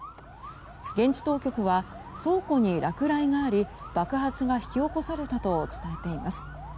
現地当局は倉庫に落雷があり爆発が引き起こされたと伝えています。